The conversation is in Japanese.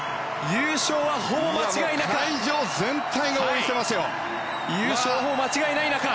優勝はもう間違いない中。